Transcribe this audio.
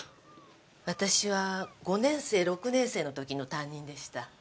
私は５年生６年生の時の担任でした。